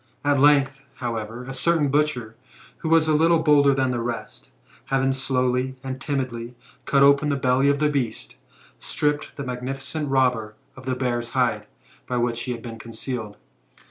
At length, however, a certain butcher, who was GOLDEN ASS, OF APULEIUS. — BOOK IV. 63 a little bolder than the rest, having slowly and timidly cut open the belly of the beast, stripped the magnificent robber of the bear's hide, by which he had been concealed.